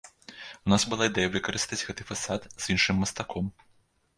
У нас была ідэя выкарыстаць гэты фасад з іншым мастаком.